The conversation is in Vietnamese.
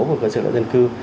của các dự đoạn dân cư